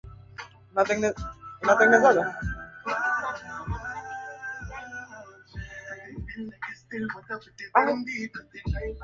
Rasmi tanganyika na Zanzibar zikaungana na kuitwa Tanzania